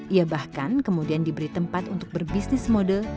ia bahkan kemudian diberi tempat untuk berbisnis mode